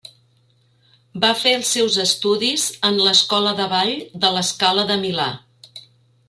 Va fer els seus estudis en l'Escola de ball de La Scala de Milà.